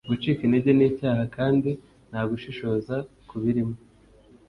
Gucika intege ni icyaha kandi nta gushishoza kubirimo